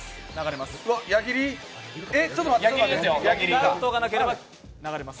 ダウトがなければ流れます。